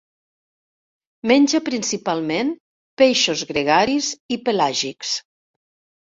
Menja principalment peixos gregaris i pelàgics.